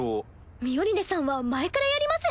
ミオリネさんは前からやります。